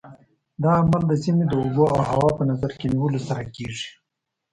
دا عمل د سیمې د اوبو او هوا په نظر کې نیولو سره کېږي.